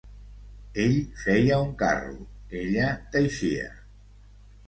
Ell feia un carro, ella teixia.